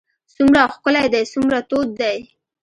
څومره ښکلی دی څومره تود دی.